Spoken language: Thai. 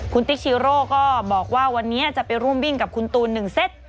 คุณติ๊กชีโร่ก็บอกว่าวันนี้จะไปร่วมวิ่งกับคุณตูน๑เซต